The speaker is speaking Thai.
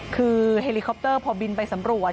คือเฮลิคอปเตอร์พอบินไปสำรวจ